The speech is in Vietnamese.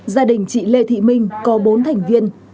gia đình chị lê thị minh có bốn thành viên